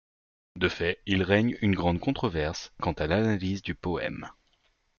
De fait, il règne une grande controverse quant à l'analyse du poème.